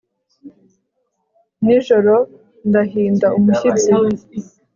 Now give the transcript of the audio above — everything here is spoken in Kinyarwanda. nijorondahinda umushyitsi